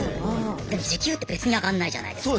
でも時給って別に上がんないじゃないですか。